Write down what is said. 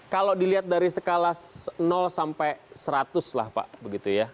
kalau dilihat dari skala sampai seratus lah pak begitu ya